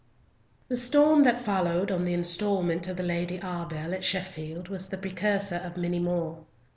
The storm that followed on the instalment of the Lady Arbell at Sheffield was the precursor of many more.